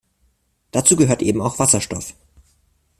Dazu gehört eben auch Wasserstoff.